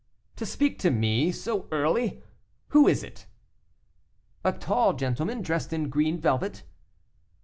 "To speak to me so early; who is it?" "A tall gentleman, dressed in green velvet."